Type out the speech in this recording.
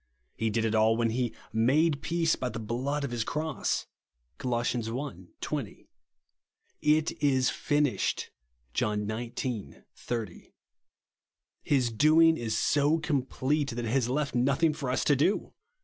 He did it all when he " made peace by the blood of his cross/* (Col. i. 20). " It is finished," (John xix. 80). His doing is so complete that it has left nothing for us to do.